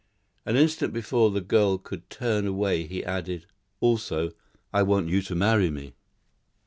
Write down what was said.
An instant before the girl could turn away he added, "Also, I want you to marry me."